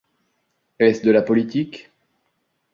Est-ce de la politique ?